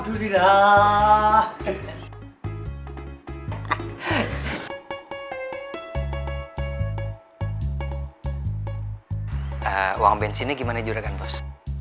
uang bensinnya gimana juragan bos